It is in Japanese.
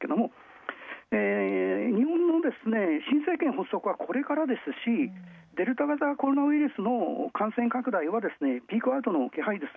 日本の新政権発足はこれからですし、デルタ株の感染拡大は、ピークアウトの気配です。